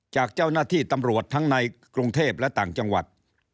จากเจ้าหน้าที่ตำรวจทั้งในกรุงเทพและต่างจังหวัด